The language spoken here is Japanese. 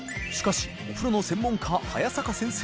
靴お風呂の専門家早坂先生